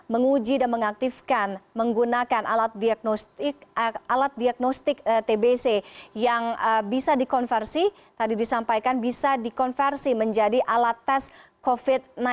menguji dan mengaktifkan menggunakan alat diagnostik tbc yang bisa dikonversi tadi disampaikan bisa dikonversi menjadi alat tes covid sembilan belas